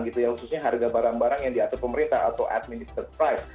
khususnya harga barang barang yang diatur pemerintah atau administratif